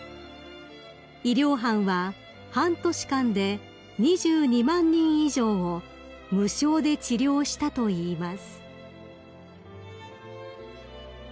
［医療班は半年間で２２万人以上を無償で治療したといいます］